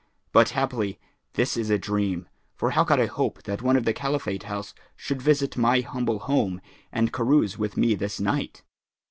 But, haply, this is a dream; for how could I hope that one of the Caliphate house should visit my humble home and carouse with me this night?'